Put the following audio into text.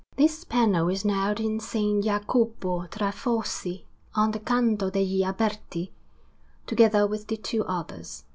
This panel is now in S. Jacopo tra Fossi, on the Canto degli Alberti, together with the two others.